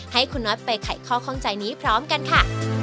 ให้คุณน็อตไปไขข้อข้องใจนี้พร้อมกันค่ะ